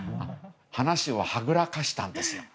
話をはぐらかしたんですよ。